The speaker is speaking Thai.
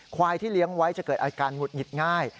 ควายที่เลี้ยงไว้จะเกิดอาการหงุดหงิดง่าย